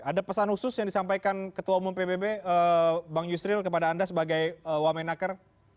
ada pesan khusus yang disampaikan ketua umum pbb bang yusril kepada anda sebagai wamenaker